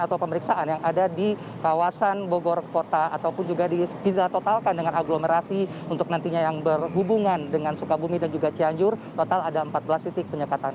atau pemeriksaan yang ada di kawasan bogor kota ataupun juga ditotalkan dengan aglomerasi untuk nantinya yang berhubungan dengan sukabumi dan juga cianjur total ada empat belas titik penyekatan